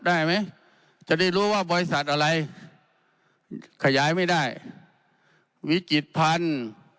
ได้ไหมจะได้รู้ว่าบริษัทอะไรขยายไม่ได้มีจิตพันธุ์